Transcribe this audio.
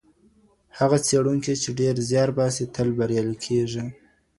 هغه څېړونکی چي ډېر زیار باسي تل بریالی کیږي.